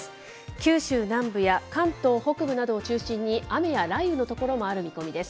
九州南部や関東北部などを中心に雨や雷雨の所もある見込みです。